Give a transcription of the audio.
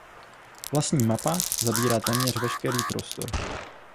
Vlastní mapa zabírá téměř veškerý prostor.